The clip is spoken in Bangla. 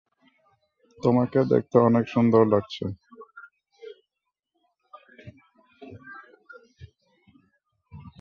পর্তুগিজ ও স্পেনীয় বাষায় আলমা শব্দের অর্থ আত্মা।